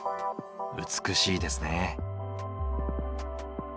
美しいですね。